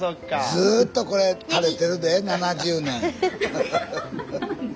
ずっとこれたれてるで７０年。